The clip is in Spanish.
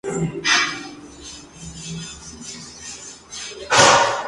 No hibrida con las demás especies.